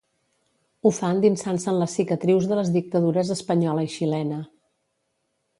Ho fa endinsant-se en les cicatrius de les dictadures espanyola i xilena.